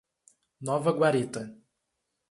Nova Guarita